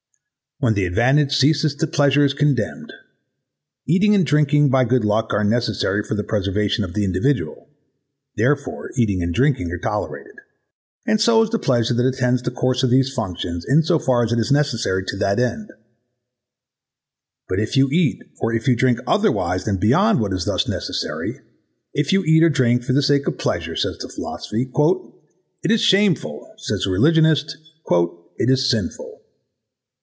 When the advantage ceases the pleasure is condemned. Eating and drinking by good luck are necessary for the preservation of the individual: therefore eating and drinking are tolerated, and so is the pleasure that attends the course of these functions in so far as it is necessary to that end; but if you eat or if you drink otherwise than or beyond what is thus necessary, if you eat or drink for the sake of pleasure, says the philosopher, "It is shameful"; says the religionist, "It is sinful."